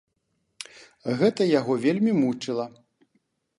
Гэта яго вельмі мучыла.